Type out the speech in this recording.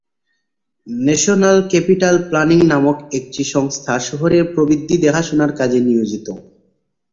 National capital planning নামক একটি সংস্থা শহরের প্রবৃদ্ধি দেখাশোনার কাজে নিয়োজিত।